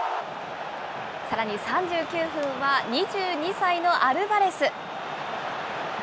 さらに３９分は、２２歳のアルバレス。